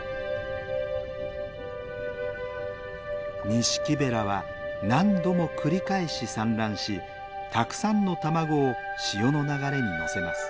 ニシキベラは何度も繰り返し産卵したくさんの卵を潮の流れに乗せます。